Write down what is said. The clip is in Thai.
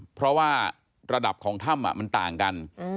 เพราะว่าระดับของถ้ำมันต่างกัน